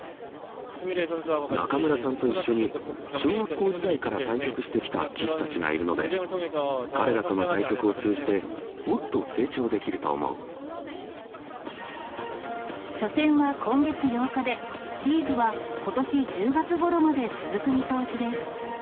仲邑さんと一緒に小学校時代から対局してきた棋士たちがいるので、彼らとの対局を通じて、初戦は今月８日で、リーグはことし１０月ごろまで続く見通しです。